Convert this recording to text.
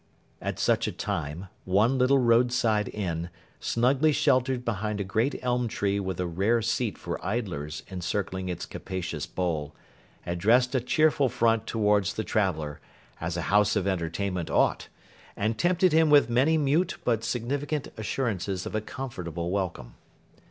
At such a time, one little roadside Inn, snugly sheltered behind a great elm tree with a rare seat for idlers encircling its capacious bole, addressed a cheerful front towards the traveller, as a house of entertainment ought, and tempted him with many mute but significant assurances of a comfortable welcome.